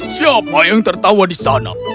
siapa yang tertawa di sana